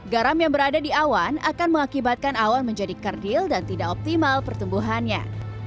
garam yang berada di awan akan mengakibatkan awan menjadi kerdil dan tidak optimal pertumbuhannya